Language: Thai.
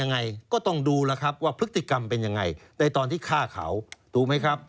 ในตอนที่ฆ่าเขา